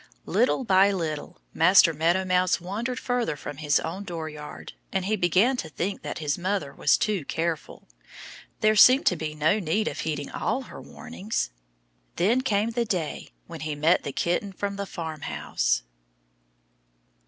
Little by little Master Meadow Mouse wandered further from his own dooryard. And he began to think that his mother was too careful. There seemed to be no need of heeding all her warnings. Then came the day when he met the kitten from the farmhouse.